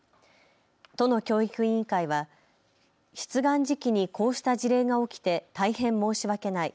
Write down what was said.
都の教育委員会は出願時期にこうした事例が起きて大変申し訳ない。